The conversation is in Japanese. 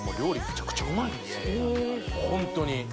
ホントに。